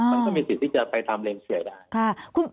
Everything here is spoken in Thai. มันก็มีสิทธิ์ที่จะไปทำเลนเฉียวได้